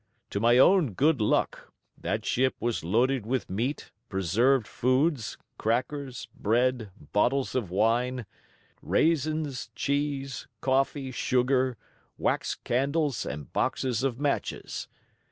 To my own good luck, that ship was loaded with meat, preserved foods, crackers, bread, bottles of wine, raisins, cheese, coffee, sugar, wax candles, and boxes of matches.